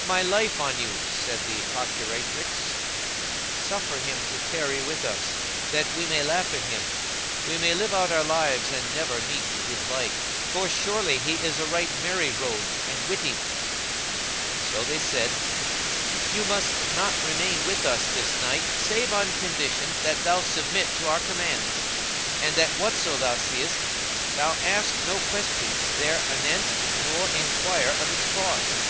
"My life on you," said the procuratrix, "suffer him to tarry with us, that we may laugh at him: we may live out our lives and never meet with his like, for surely he is a right merry rogue and a witty."[FN#165] So they said, "Thou must not remain with us this night save on condition that thou submit to our commands, and that whatso thou seest, thou ask no questions there anent, nor enquire of its cause."